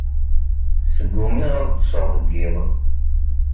Sgumiɣ ad ṭṭseɣ deg iḍ.